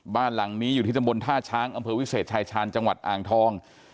บ้านหลังนี้อยู่ที่ตำบลท่าช้างอำเภอวิเศษชายชาญจังหวัดอ่างทอง